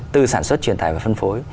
từ sản xuất truyền tải và phân phối